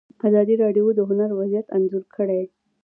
ازادي راډیو د هنر وضعیت انځور کړی.